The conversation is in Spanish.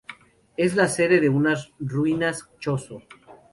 Es la sede de unas ruinas Chozo.